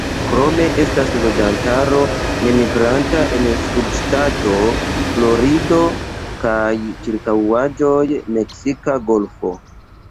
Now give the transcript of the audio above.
Krome estas loĝantaro nemigranta en subŝtato Florido kaj ĉirkaŭaĵoj -Meksika golfo-.